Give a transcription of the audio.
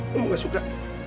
kamu gak suka